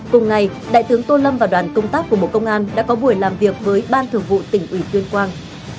cùng ngày đại tướng tô lâm và đoàn công tác của bộ công an đã có buổi làm việc với ban thường vụ tỉnh ủy tuyên quang